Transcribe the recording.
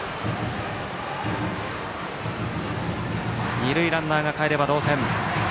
二塁ランナーかえれば同点。